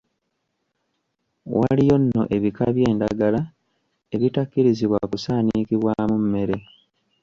Waliyo nno ebika by'endagala ebitakkirizibwa kusaanikibwamu mmere.